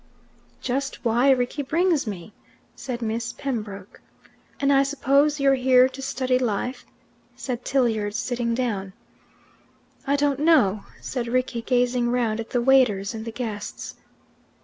"Just why Rickie brings me," said Miss Pembroke. "And I suppose you're here to study life?" said Tilliard, sitting down. "I don't know," said Rickie, gazing round at the waiters and the guests.